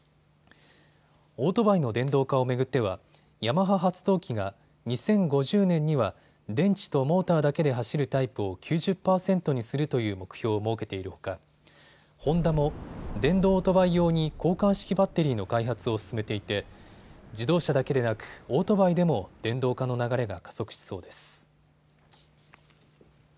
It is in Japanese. オートバイの電動化を巡ってはヤマハ発動機が２０５０年には電池とモーターだけで走るタイプを９０％にするという目標を設けているほかホンダも電動オートバイ用に交換式バッテリーの開発を進めていて自動車だけでなくオートバイでも電動化の流れが加速しそうです。